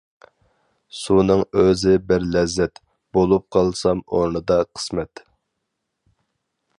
سۇنىڭ ئۆزى بىر لەززەت، بولۇپ قالسام ئورنىدا قىسمەت.